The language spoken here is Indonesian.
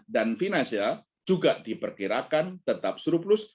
dan finansial juga diperkirakan tetap surplus